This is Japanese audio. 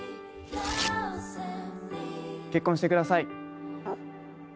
結婚して下さい。